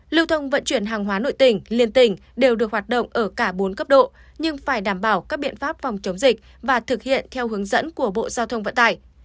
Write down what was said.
lưu thông vận chuyển hàng hóa nội tỉnh liên tỉnh đều được hoạt động ở cả bốn cấp độ nhưng phải đảm bảo các biện pháp phòng chống dịch và thực hiện theo hướng dẫn của bộ giao thông vận tải